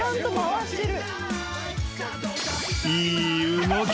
［いい動き］